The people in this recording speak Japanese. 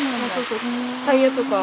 タイヤとか。